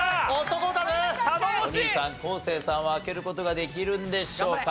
お兄さん昴生さんは開ける事ができるんでしょうか？